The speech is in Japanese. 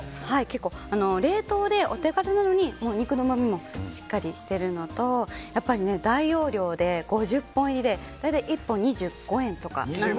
結構、冷凍でお手軽なのに肉のうまみもしっかりしているのと大容量で５０本入りで大体１本２５円とか。